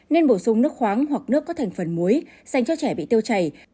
nên bổ sung nước khoáng hoặc nước có thành phần muối dành cho trẻ bị tiêu chảy